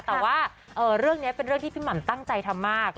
แต่ว่าเรื่องนี้เป็นเรื่องที่พี่หม่ำตั้งใจทำมาก